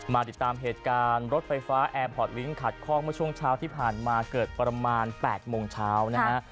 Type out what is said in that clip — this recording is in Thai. มาติดตามเหตุการณ์รถไฟฟ้าแอร์พอร์ตลิงค์ขัดข้องเมื่อช่วงเช้าที่ผ่านมาเกิดประมาณ๘โมงเช้านะฮะ